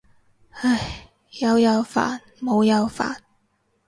唉，有又煩冇又煩。